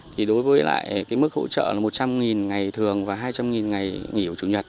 thì đối với lại cái mức hỗ trợ là một trăm linh ngày thường và hai trăm linh ngày nghỉ của chủ nhật